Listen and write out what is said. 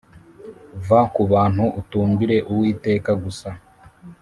va kubantu utumbire uwiteka gusa